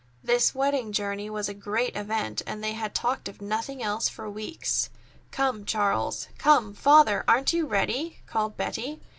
This wedding journey was a great event, and they had talked of nothing else for weeks. "Come, Charles. Come, Father, aren't you ready?" called Betty.